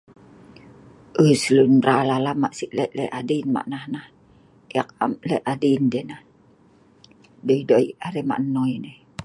uish.. lun mbral alam mak si' lek lek adin ma nak nah, eek am lek adin deh nah, bi doi arai mak nai nai